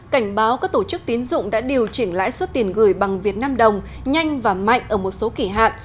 cảnh báo các tổ chức tín dụng đã điều chỉnh lãi suất tiền gửi bằng việt nam đồng nhanh và mạnh ở một số kỷ hạn